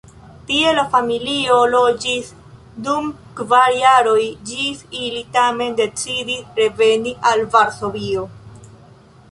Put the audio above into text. Tie la familio loĝis dum kvar jaroj, ĝis ili tamen decidis reveni al Varsovio.